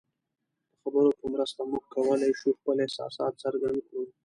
د خبرو په مرسته موږ کولی شو خپل احساسات څرګند کړو.